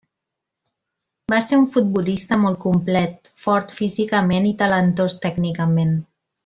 Va ser un futbolista molt complet, fort físicament i talentós tècnicament.